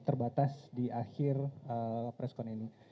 terbatas di akhir preskon ini